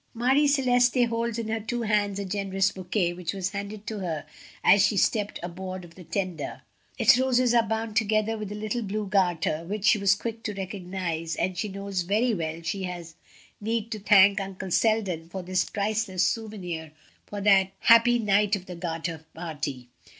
Marie Celeste holds in her two hands a generous bouquet, which was handed to her just as she stepped aboard of the tender. Its roses are bound together with a little blue garter, which she was quick to recognize, and she knows very well she has need to thank Uncle Selden for this priceless souvenir of that happy Knight of the Garter party.